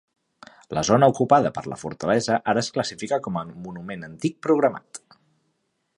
La zona ocupada per la fortalesa ara es classifica com a Monument Antic Programat.